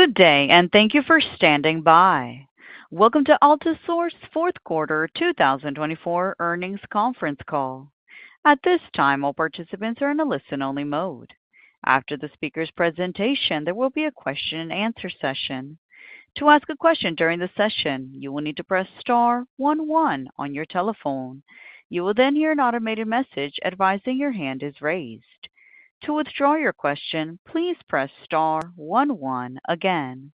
Good day, and thank you for standing by. Welcome to Altisource Fourth Quarter 2024 Earnings Conference Call. At this time, all participants are in a listen-only mode. After the speaker's presentation, there will be a question-and-answer session. To ask a question during the session, you will need to press star 11 on your telephone. You will then hear an automated message advising your hand is raised. To withdraw your question, please press star 11 again.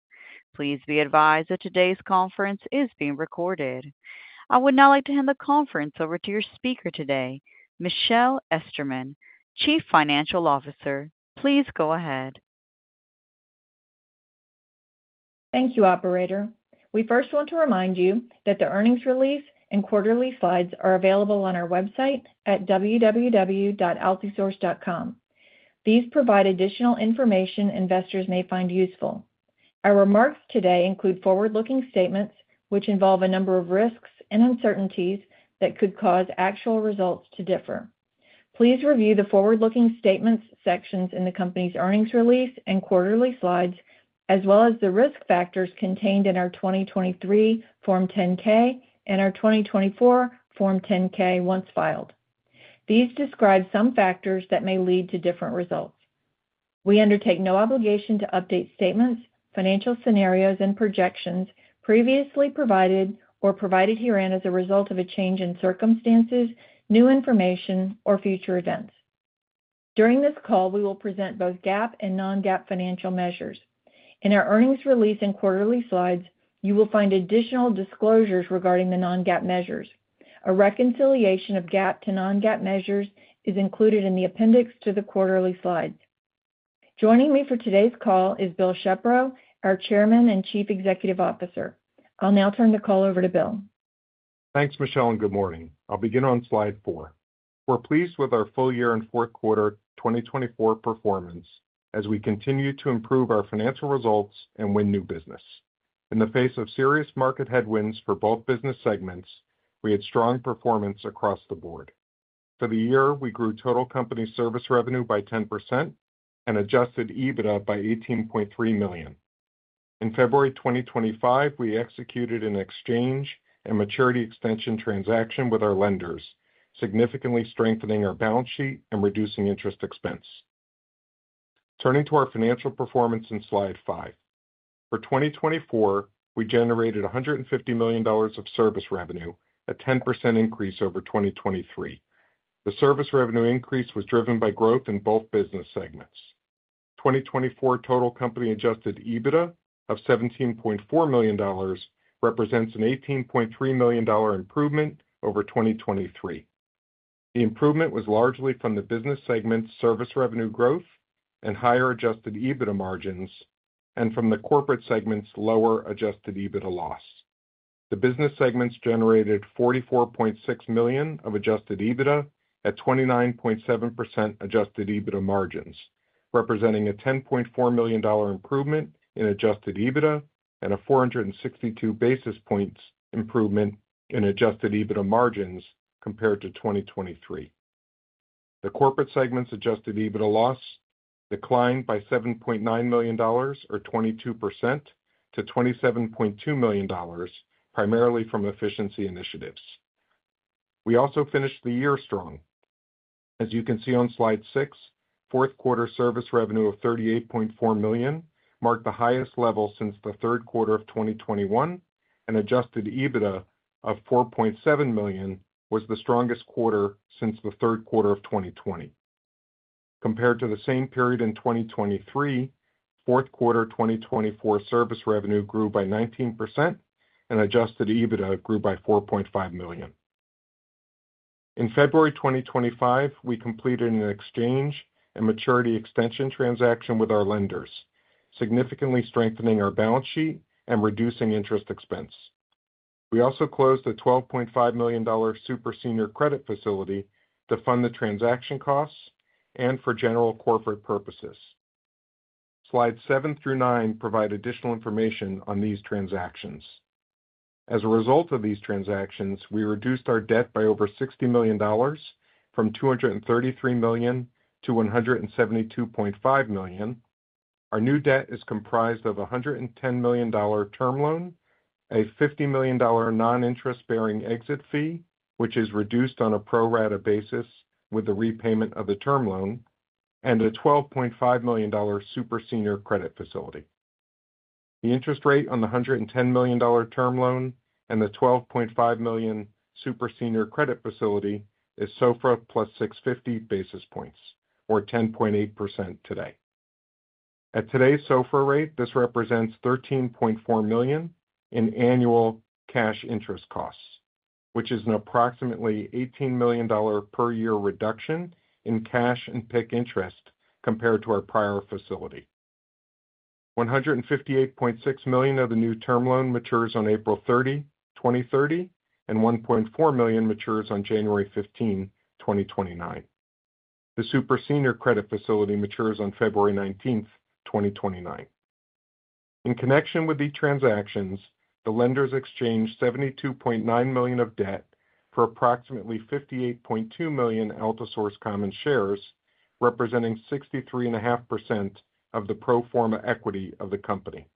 Please be advised that today's conference is being recorded. I would now like to hand the conference over to your speaker today, Michelle Esterman, Chief Financial Officer. Please go ahead. Thank you, Operator. We first want to remind you that the earnings release and quarterly slides are available on our website at www.altisource.com. These provide additional information investors may find useful. Our remarks today include forward-looking statements which involve a number of risks and uncertainties that could cause actual results to differ. Please review the forward-looking statements sections in the company's earnings release and quarterly slides, as well as the risk factors contained in our 2023 Form 10-K and our 2024 Form 10-K once filed. These describe some factors that may lead to different results. We undertake no obligation to update statements, financial scenarios, and projections previously provided or provided herein as a result of a change in circumstances, new information, or future events. During this call, we will present both GAAP and non-GAAP financial measures. In our earnings release and quarterly slides, you will find additional disclosures regarding the non-GAAP measures. A reconciliation of GAAP to non-GAAP measures is included in the appendix to the quarterly slides. Joining me for today's call is William B. Shepro, our Chairman and Chief Executive Officer. I'll now turn the call over to William Thanks, Michelle, and good morning. I'll begin on slide four. We're pleased with our full year and fourth quarter 2024 performance as we continue to improve our financial results and win new business. In the face of serious market headwinds for both business segments, we had strong performance across the board. For the year, we grew total company service revenue by 10% and Adjusted EBITDA by $18.3 million. In February 2025, we executed an exchange and maturity extension transaction with our lenders, significantly strengthening our balance sheet and reducing interest expense. Turning to our financial performance in slide five, for 2024, we generated $150 million of service revenue, a 10% increase over 2023. The service revenue increase was driven by growth in both business segments. 2024 total company Adjusted EBITDA of $17.4 million represents an $18.3 million improvement over 2023. The improvement was largely from the business segment's service revenue growth and higher Adjusted EBITDA margins, and from the corporate segment's lower Adjusted EBITDA loss. The business segments generated $44.6 million of Adjusted EBITDA at 29.7% Adjusted EBITDA margins, representing a $10.4 million improvement in Adjusted EBITDA and a 462 basis points improvement in Adjusted EBITDA margins compared to 2023. The corporate segment's Adjusted EBITDA loss declined by $7.9 million, or 22%, to $27.2 million, primarily from efficiency initiatives. We also finished the year strong. As you can see on slide six, fourth quarter service revenue of $38.4 million marked the highest level since the third quarter of 2021, and Adjusted EBITDA of $4.7 million was the strongest quarter since the third quarter of 2020. Compared to the same period in 2023, fourth quarter 2024 service revenue grew by 19%, and Adjusted EBITDA grew by $4.5 million. In February 2025, we completed an exchange and maturity extension transaction with our lenders, significantly strengthening our balance sheet and reducing interest expense. We also closed a $12.5 million Super Senior Credit Facility to fund the transaction costs and for general corporate purposes. Slides seven through nine provide additional information on these transactions. As a result of these transactions, we reduced our debt by over $60 million from $233 million to $172.5 million. Our new debt is comprised of a $110 million term loan, a $50 million non-interest-bearing exit fee, which is reduced on a pro rata basis with the repayment of the term loan, and a $12.5 million Super Senior Credit Facility. The interest rate on the $110 million term loan and the $12.5 million Super Senior Credit Facility is SOFR plus 650 basis points, or 10.8% today. At today's SOFR rate, this represents $13.4 million in annual cash interest costs, which is an approximately $18 million per year reduction in cash and PIK interest compared to our prior facility. $158.6 million of the new term loan matures on April 30, 2030, and $1.4 million matures on January 15, 2029. The Super Senior Credit Facility matures on February 19, 2029. In connection with the transactions, the lenders exchanged $72.9 million of debt for approximately $58.2 million Altisource common shares, representing 63.5% of the pro forma equity of the company.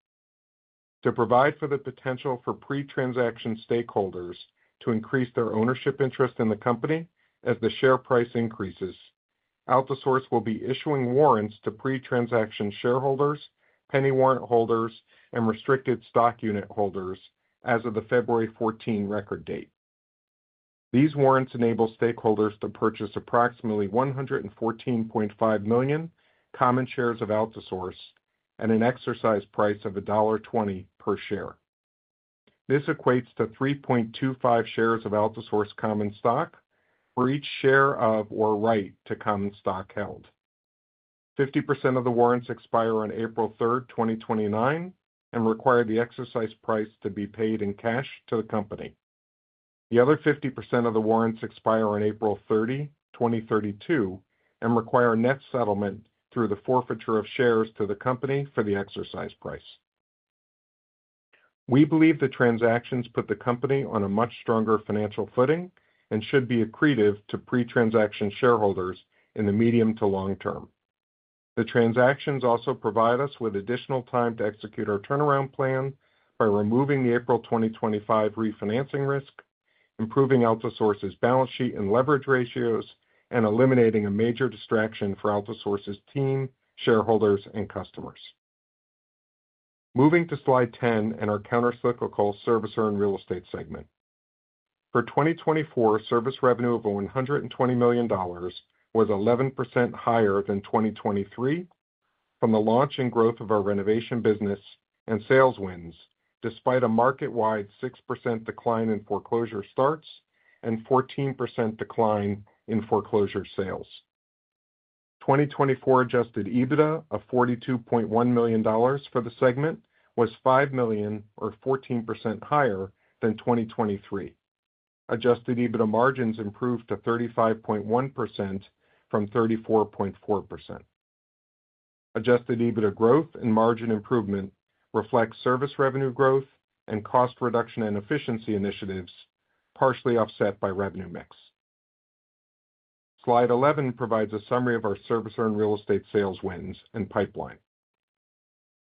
To provide for the potential for pre-transaction stakeholders to increase their ownership interest in the company as the share price increases, Altisource will be issuing warrants to pre-transaction shareholders, Penny Warrant holders, and restricted stock unit holders as of the February 14 record date. These warrants enable stakeholders to purchase approximately 114.5 million common shares of Altisource at an exercise price of $1.20 per share. This equates to 3.25 shares of Altisource common stock for each share of or right to common stock held. 50% of the warrants expire on April 3, 2029, and require the exercise price to be paid in cash to the company. The other 50% of the warrants expire on April 30, 2032, and require net settlement through the forfeiture of shares to the company for the exercise price. We believe the transactions put the company on a much stronger financial footing and should be accretive to pre-transaction shareholders in the medium to long term. The transactions also provide us with additional time to execute our turnaround plan by removing the April 2025 refinancing risk, improving Altisource's balance sheet and leverage ratios, and eliminating a major distraction for Altisource's team, shareholders, and customers. Moving to slide ten in our countercyclical service and real estate segment. For 2024, service revenue of $120 million was 11% higher than 2023 from the launch and growth of our renovation business and sales wins, despite a market-wide 6% decline in foreclosure starts and 14% decline in foreclosure sales. 2024 Adjusted EBITDA of $42.1 million for the segment was $5 million, or 14% higher than 2023. Adjusted EBITDA margins improved to 35.1% from 34.4%. Adjusted EBITDA growth and margin improvement reflect service revenue growth and cost reduction and efficiency initiatives, partially offset by revenue mix. Slide 11 provides a summary of our service and real estate sales wins and pipeline.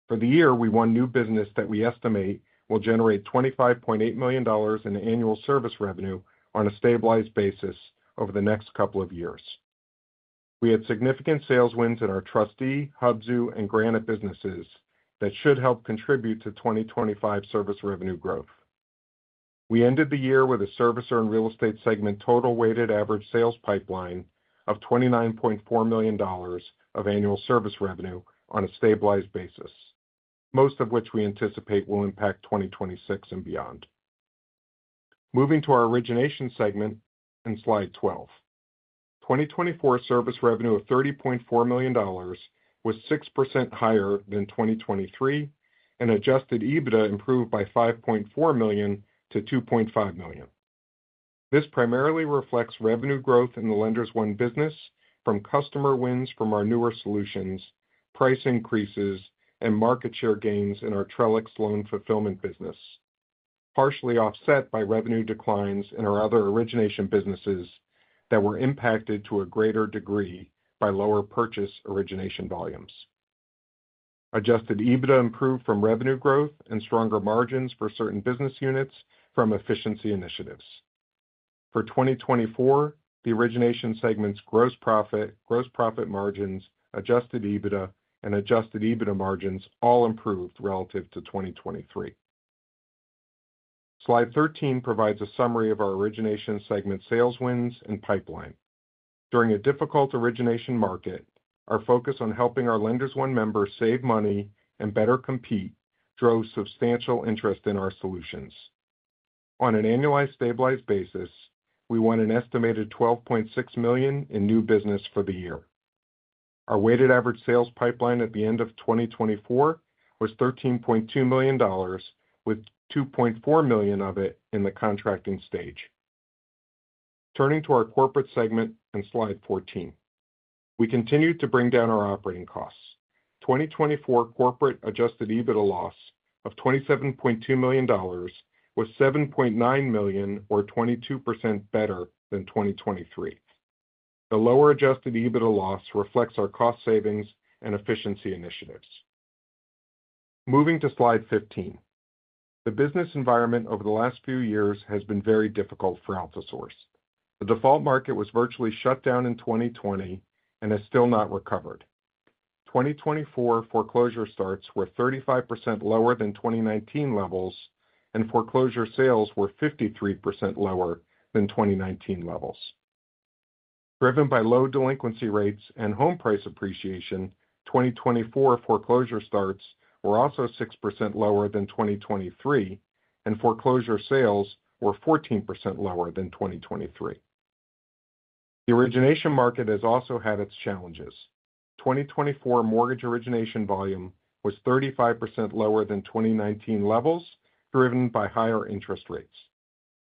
For the year, we won new business that we estimate will generate $25.8 million in annual service revenue on a stabilized basis over the next couple of years. We had significant sales wins in our trustee, Hubzu, and Granite businesses that should help contribute to 2025 service revenue growth. We ended the year with a service and real estate segment total weighted average sales pipeline of $29.4 million of annual service revenue on a stabilized basis, most of which we anticipate will impact 2026 and beyond. Moving to our origination segment in slide 12, 2024 service revenue of $30.4 million was 6% higher than 2023, and Adjusted EBITDA improved by $5.4 million to $2.5 million. This primarily reflects revenue growth in the Lenders One business from customer wins from our newer solutions, price increases, and market share gains in our Trelix loan fulfillment business, partially offset by revenue declines in our other origination businesses that were impacted to a greater degree by lower purchase origination volumes. Adjusted EBITDA improved from revenue growth and stronger margins for certain business units from efficiency initiatives. For 2024, the origination segment's gross profit, gross profit margins, Adjusted EBITDA, and Adjusted EBITDA margins all improved relative to 2023. Slide 13 provides a summary of our origination segment sales wins and pipeline. During a difficult origination market, our focus on helping our Lenders One members save money and better compete drove substantial interest in our solutions. On an annualized stabilized basis, we won an estimated $12.6 million in new business for the year. Our weighted average sales pipeline at the end of 2024 was $13.2 million, with $2.4 million of it in the contracting stage. Turning to our corporate segment in slide 14, we continued to bring down our operating costs. 2024 corporate Adjusted EBITDA loss of $27.2 million was $7.9 million, or 22% better than 2023. The lower Adjusted EBITDA loss reflects our cost savings and efficiency initiatives. Moving to slide 15, the business environment over the last few years has been very difficult for Altisource. The default market was virtually shut down in 2020 and has still not recovered. 2024 foreclosure starts were 35% lower than 2019 levels, and foreclosure sales were 53% lower than 2019 levels. Driven by low delinquency rates and home price appreciation, 2024 foreclosure starts were also 6% lower than 2023, and foreclosure sales were 14% lower than 2023. The origination market has also had its challenges. 2024 mortgage origination volume was 35% lower than 2019 levels, driven by higher interest rates.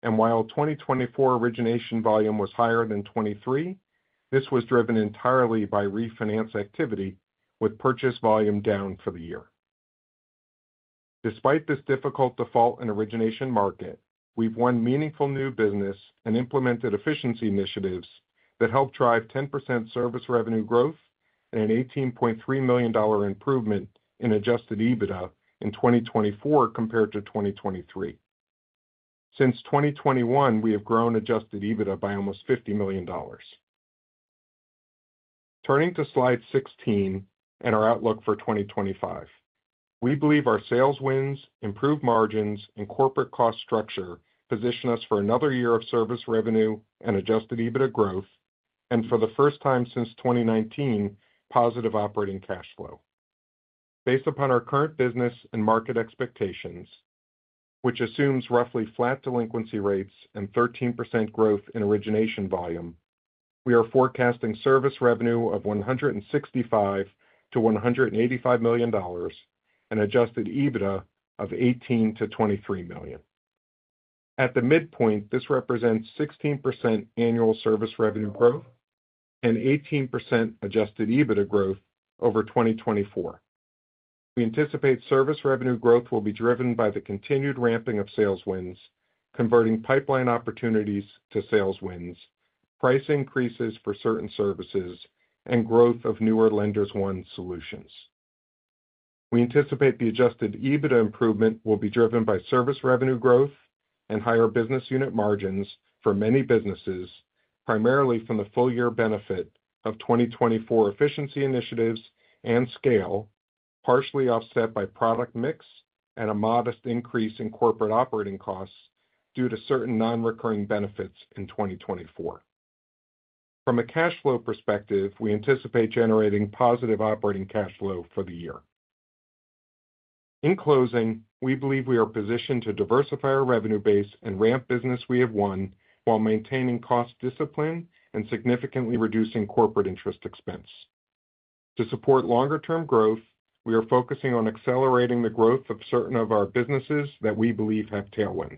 While 2024 origination volume was higher than 2023, this was driven entirely by refinance activity, with purchase volume down for the year. Despite this difficult default and origination market, we've won meaningful new business and implemented efficiency initiatives that helped drive 10% service revenue growth and an $18.3 million improvement in Adjusted EBITDA in 2024 compared to 2023. Since 2021, we have grown Adjusted EBITDA by almost $50 million. Turning to slide 16 and our outlook for 2025, we believe our sales wins, improved margins, and corporate cost structure position us for another year of service revenue and Adjusted EBITDA growth, and for the first time since 2019, positive operating cash flow. Based upon our current business and market expectations, which assumes roughly flat delinquency rates and 13% growth in origination volume, we are forecasting service revenue of $165-$185 million and Adjusted EBITDA of $18-$23 million. At the midpoint, this represents 16% annual service revenue growth and 18% Adjusted EBITDA growth over 2024. We anticipate service revenue growth will be driven by the continued ramping of sales wins, converting pipeline opportunities to sales wins, price increases for certain services, and growth of newer Lenders One solutions. We anticipate the Adjusted EBITDA improvement will be driven by service revenue growth and higher business unit margins for many businesses, primarily from the full year benefit of 2024 efficiency initiatives and scale, partially offset by product mix and a modest increase in corporate operating costs due to certain non-recurring benefits in 2024. From a cash flow perspective, we anticipate generating positive operating cash flow for the year. In closing, we believe we are positioned to diversify our revenue base and ramp business we have won while maintaining cost discipline and significantly reducing corporate interest expense. To support longer-term growth, we are focusing on accelerating the growth of certain of our businesses that we believe have tailwinds.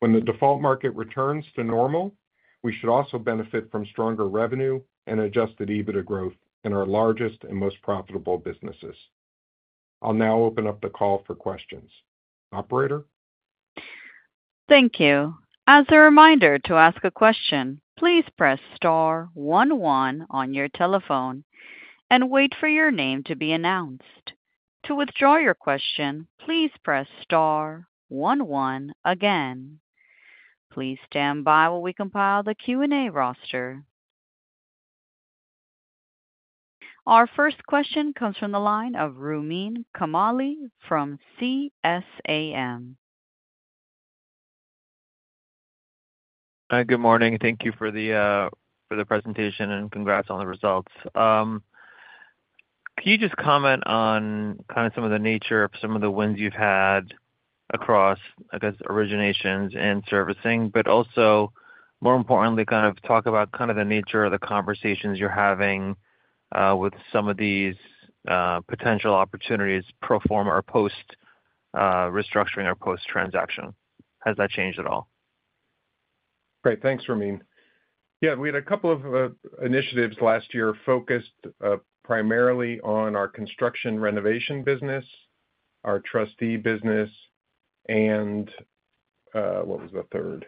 When the default market returns to normal, we should also benefit from stronger revenue and Adjusted EBITDA growth in our largest and most profitable businesses. I'll now open up the call for questions. Operator. Thank you. As a reminder to ask a question, please press star 11 on your telephone and wait for your name to be announced. To withdraw your question, please press star 11 again. Please stand by while we compile the Q&A roster. Our first question comes from the line of Rumin Kamali from CSAM. Good morning. Thank you for the presentation and congrats on the results. Can you just comment on kind of some of the nature of some of the wins you've had across, I guess, originations and servicing, but also, more importantly, kind of talk about kind of the nature of the conversations you're having with some of these potential opportunities pro forma or post restructuring or post transaction? Has that changed at all? Great. Thanks, Rumin. Yeah, we had a couple of initiatives last year focused primarily on our construction renovation business, our trustee business, and what was the third?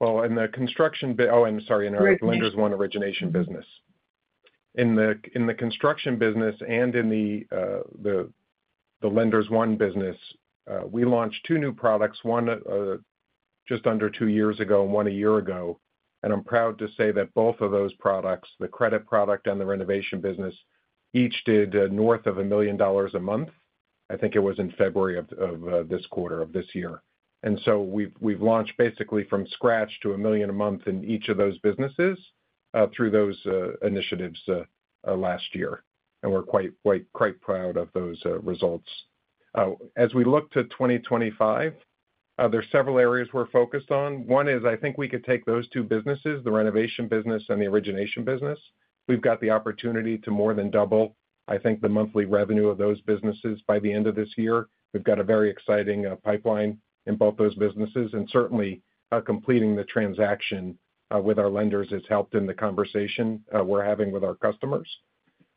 In the construction—in our Lenders One origination business. In the construction business and in the Lenders One business, we launched two new products, one just under two years ago and one a year ago. I'm proud to say that both of those products, the credit product and the renovation business, each did north of $1 million a month. I think it was in February of this quarter of this year. We've launched basically from scratch to $1 million a month in each of those businesses through those initiatives last year. We're quite proud of those results. As we look to 2025, there are several areas we're focused on. One is I think we could take those two businesses, the renovation business and the origination business. We've got the opportunity to more than double, I think, the monthly revenue of those businesses by the end of this year. We've got a very exciting pipeline in both those businesses. Certainly, completing the transaction with our lenders has helped in the conversation we're having with our customers.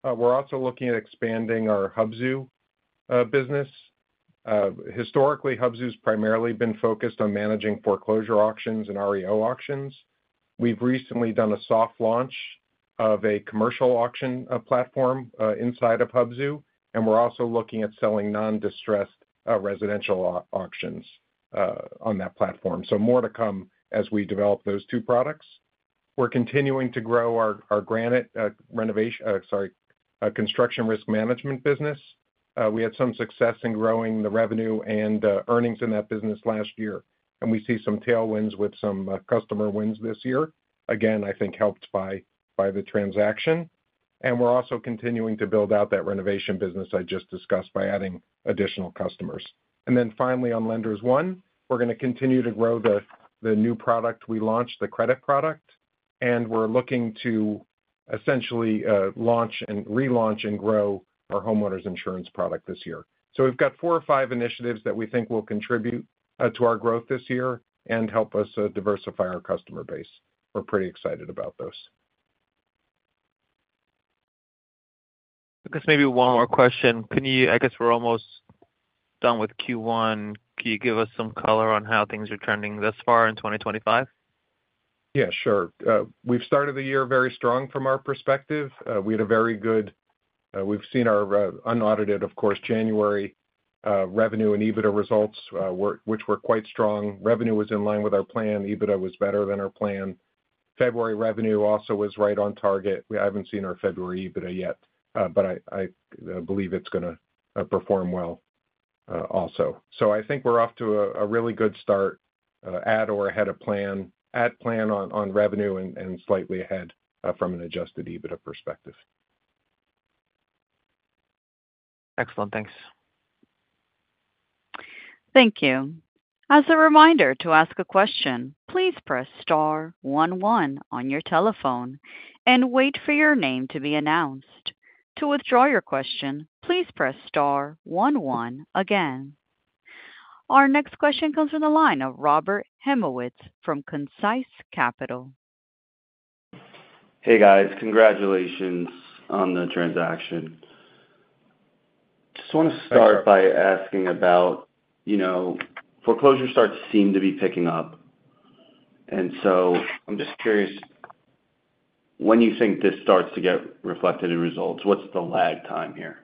We're also looking at expanding our Hubzu business. Historically, Hubzu has primarily been focused on managing foreclosure auctions and REO auctions. We've recently done a soft launch of a commercial auction platform inside of Hubzu, and we're also looking at selling non-distressed residential auctions on that platform. More to come as we develop those two products. We're continuing to grow our Granite construction risk management business. We had some success in growing the revenue and earnings in that business last year, and we see some tailwinds with some customer wins this year, again, I think helped by the transaction. We're also continuing to build out that renovation business I just discussed by adding additional customers. Finally, on Lenders One, we're going to continue to grow the new product we launched, the credit product. We are looking to essentially launch and relaunch and grow our homeowners insurance product this year. We have four or five initiatives that we think will contribute to our growth this year and help us diversify our customer base. We are pretty excited about those. I guess maybe one more question. I guess we are almost done with Q1. Can you give us some color on how things are trending thus far in 2025? Yeah, sure. We have started the year very strong from our perspective. We had a very good—we have seen our unaudited, of course, January revenue and EBITDA results, which were quite strong. Revenue was in line with our plan. EBITDA was better than our plan. February revenue also was right on target. We have not seen our February EBITDA yet, but I believe it is going to perform well also. I think we're off to a really good start at or ahead of plan, at plan on revenue and slightly ahead from an Adjusted EBITDA perspective. Excellent. Thanks. Thank you. As a reminder to ask a question, please press star 11 on your telephone and wait for your name to be announced. To withdraw your question, please press star 11 again. Our next question comes from the line of Robert Heimowitz from Concise Capital. Hey, guys. Congratulations on the transaction. Just want to start by asking about foreclosure starts seem to be picking up. And so I'm just curious, when you think this starts to get reflected in results, what's the lag time here?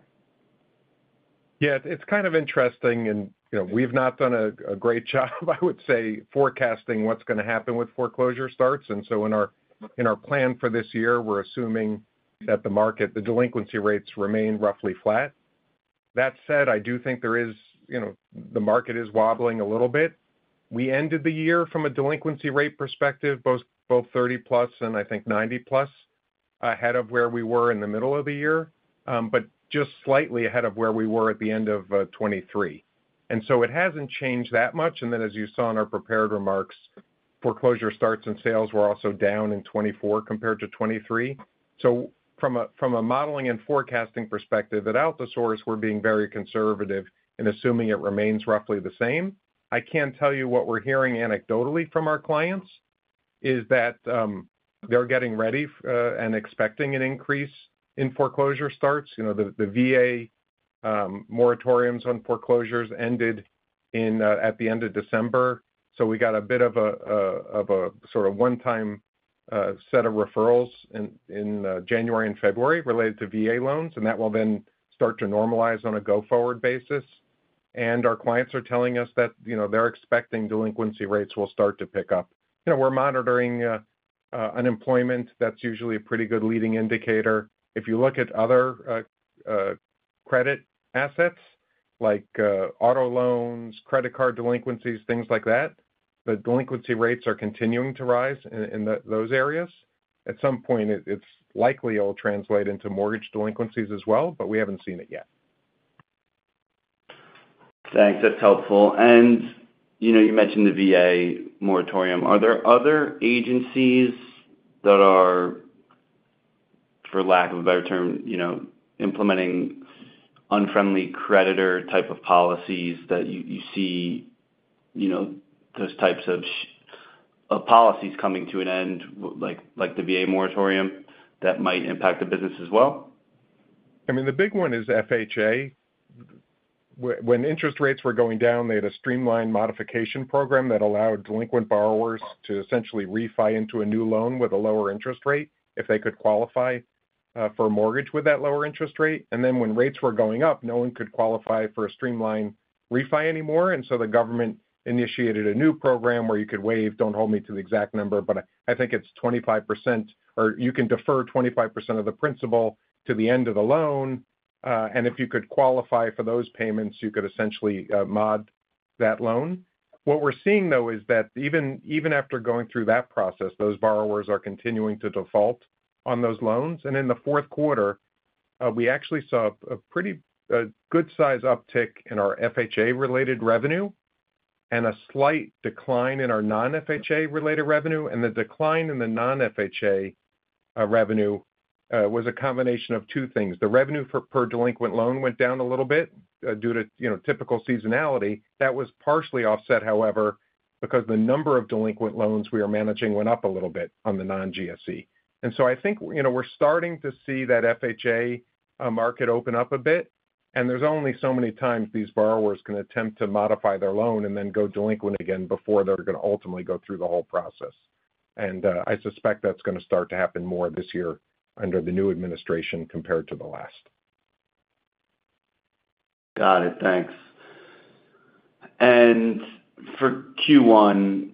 Yeah, it's kind of interesting. And we've not done a great job, I would say, forecasting what's going to happen with foreclosure starts. In our plan for this year, we're assuming that the market, the delinquency rates remain roughly flat. That said, I do think there is—the market is wobbling a little bit. We ended the year from a delinquency rate perspective, both 30-plus and I think 90-plus ahead of where we were in the middle of the year, but just slightly ahead of where we were at the end of 2023. It has not changed that much. As you saw in our prepared remarks, foreclosure starts and sales were also down in 2024 compared to 2023. From a modeling and forecasting perspective at Altisource, we're being very conservative and assuming it remains roughly the same. I can tell you what we're hearing and totally from our clients is that they're getting ready and expecting an increase in foreclosure starts. The VA moratoriums on foreclosures ended at the end of December. We got a bit of a sort of one-time set of referrals in January and February related to VA loans, and that will then start to normalize on a go-forward basis. Our clients are telling us that they're expecting delinquency rates will start to pick up. We're monitoring unemployment. That's usually a pretty good leading indicator. If you look at other credit assets like auto loans, credit card delinquencies, things like that, the delinquency rates are continuing to rise in those areas. At some point, it's likely it'll translate into mortgage delinquencies as well, but we haven't seen it yet. Thanks. That's helpful. You mentioned the VA moratorium. Are there other agencies that are, for lack of a better term, implementing unfriendly creditor type of policies that you see those types of policies coming to an end, like the VA moratorium, that might impact the business as well? I mean, the big one is FHA. When interest rates were going down, they had a streamlined modification program that allowed delinquent borrowers to essentially refi into a new loan with a lower interest rate if they could qualify for a mortgage with that lower interest rate. When rates were going up, no one could qualify for a streamlined refi anymore. The government initiated a new program where you could waive—do not hold me to the exact number, but I think it is 25%—or you can defer 25% of the principal to the end of the loan. If you could qualify for those payments, you could essentially mod that loan. What we're seeing, though, is that even after going through that process, those borrowers are continuing to default on those loans. In the fourth quarter, we actually saw a pretty good size uptick in our FHA-related revenue and a slight decline in our non-FHA-related revenue. The decline in the non-FHA revenue was a combination of two things. The revenue per delinquent loan went down a little bit due to typical seasonality. That was partially offset, however, because the number of delinquent loans we were managing went up a little bit on the non-GSE. I think we're starting to see that FHA market open up a bit. There are only so many times these borrowers can attempt to modify their loan and then go delinquent again before they're going to ultimately go through the whole process. I suspect that's going to start to happen more this year under the new administration compared to the last. Got it. Thanks. For Q1,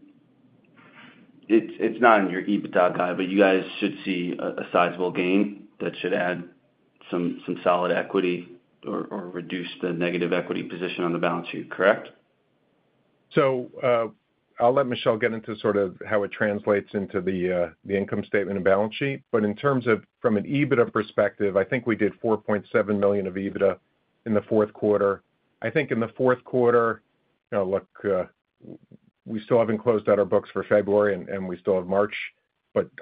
it's not in your EBITDA guide, but you guys should see a sizable gain that should add some solid equity or reduce the negative equity position on the balance sheet, correct? I'll let Michelle get into sort of how it translates into the income statement and balance sheet. In terms of from an EBITDA perspective, I think we did $4.7 million of EBITDA in the fourth quarter. I think in the fourth quarter, we still haven't closed out our books for February, and we still have March.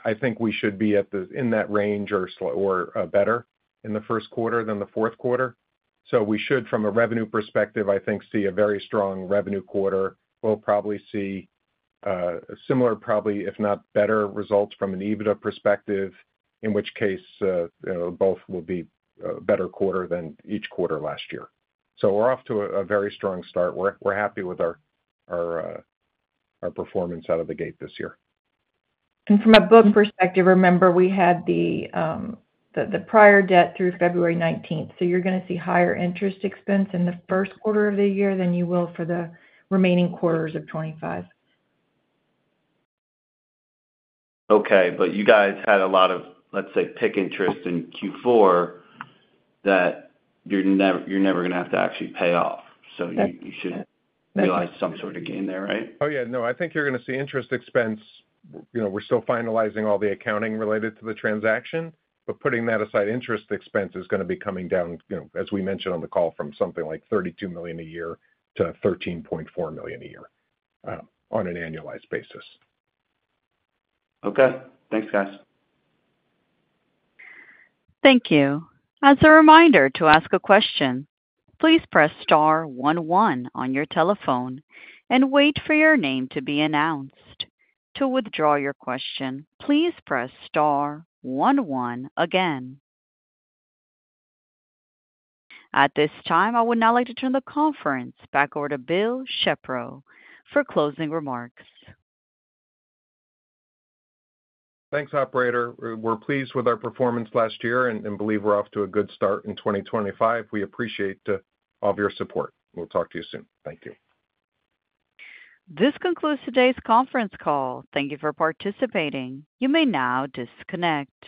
I think we should be in that range or better in the first quarter than the fourth quarter. We should, from a revenue perspective, see a very strong revenue quarter. We'll probably see a similar, probably, if not better, results from an EBITDA perspective, in which case both will be a better quarter than each quarter last year. We're off to a very strong start. We're happy with our performance out of the gate this year. From a book perspective, remember we had the prior debt through February 19th. You're going to see higher interest expense in the first quarter of the year than you will for the remaining quarters of 2025. Okay. You guys had a lot of, let's say, PIK interest in Q4 that you're never going to have to actually pay off. You should realize some sort of gain there, right? Oh, yeah. No, I think you're going to see interest expense. We're still finalizing all the accounting related to the transaction, but putting that aside, interest expense is going to be coming down, as we mentioned on the call, from something like $32 million a year to $13.4 million a year on an annualized basis. Okay. Thanks, guys. Thank you. As a reminder to ask a question, please press star 11 on your telephone and wait for your name to be announced. To withdraw your question, please press star 11 again. At this time, I would now like to turn the conference back over to William B. Shepro for closing remarks. Thanks, operator. We're pleased with our performance last year and believe we're off to a good start in 2025. We appreciate all of your support. We'll talk to you soon. Thank you. This concludes today's conference call. Thank you for participating. You may now disconnect.